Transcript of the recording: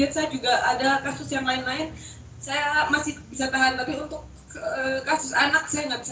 saya juga ada kasus yang lain lain saya masih bisa tahan tapi untuk kasus anak saya nggak bisa